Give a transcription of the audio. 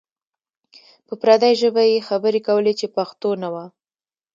په پردۍ ژبه یې خبرې کولې چې پښتو نه وه.